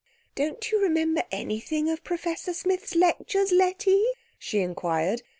"Don't you remember anything of Professor Smith's lectures, Letty?" she inquired.